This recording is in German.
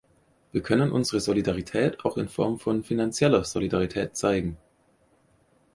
Wir können unsere Solidarität auch in Form von finanzieller Solidarität zeigen.